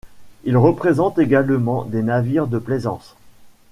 Il représente également des navires de plaisance.